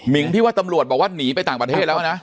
พี่ว่าตำรวจบอกว่าหนีไปต่างประเทศแล้วนะ